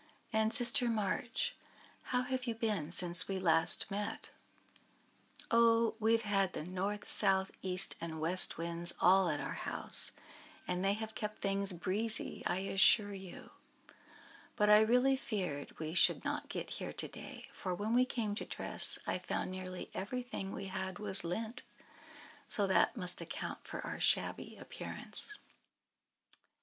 "And, Sister March, how have you been since we last met?" "Oh! we have had the North, South, East, and West Winds all at our house, and they have kept things breezy, I assure you. But I really feared we should not get here to day; for when we came to dress I found nearly everything we had was lent; so that must account for our shabby appearance." "He!